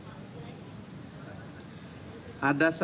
saya kasih tahu pak presiden